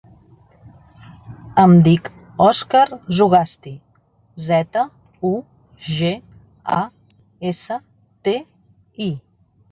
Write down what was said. Em dic Òscar Zugasti: zeta, u, ge, a, essa, te, i.